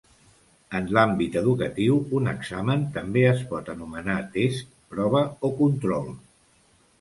En l'àmbit educatiu un examen també es pot anomenar test, prova o control.